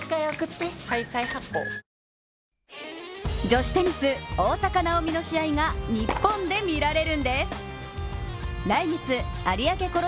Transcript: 女子テニス、大坂なおみの試合が日本で見られるんです。